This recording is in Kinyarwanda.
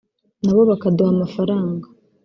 nabo bakaduha amafaranga